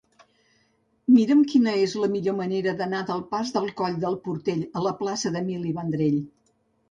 Mira'm quina és la millor manera d'anar del pas del Coll del Portell a la plaça d'Emili Vendrell.